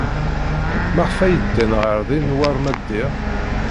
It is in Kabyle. Maɣef ay ddan ɣer din war ma ddiɣ?